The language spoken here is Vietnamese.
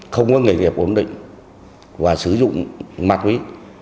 không có nghề nghiệp ổn định và sử dụng mặt quý